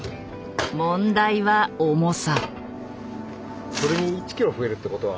問題は重さ。